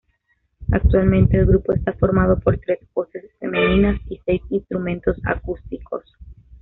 Actualmente el grupo está formado por tres voces femeninas y seis instrumentos acústicos.